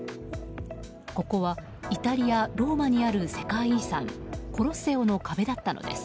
ここはイタリア・ローマにある世界遺産コロッセオの壁だったのです。